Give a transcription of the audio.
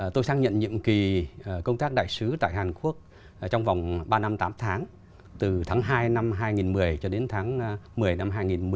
tôi xác nhận nhiệm kỳ công tác đại sứ tại hàn quốc trong vòng ba năm tám tháng từ tháng hai năm hai nghìn một mươi cho đến tháng một mươi năm hai nghìn một mươi